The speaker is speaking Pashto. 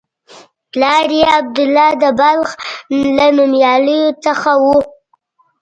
پلار یې عبدالله د بلخ له نومیالیو څخه و.